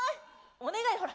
お願いほら